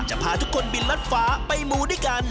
พาทุกคนบินรัดฟ้าไปมูด้วยกัน